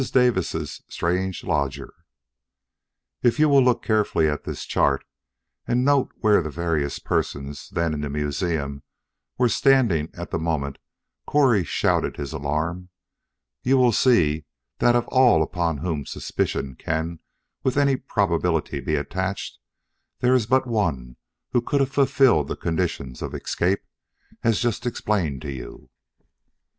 DAVIS' STRANGE LODGER "If you will look carefully at this chart, and note where the various persons then in the museum were standing at the moment Correy shouted his alarm, you will see that of all upon whom suspicion can with any probability be attached there is but one who could have fulfilled the conditions of escape as just explained to you."